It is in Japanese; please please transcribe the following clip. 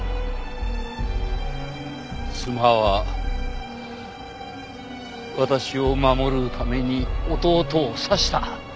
妻は私を守るために弟を刺した。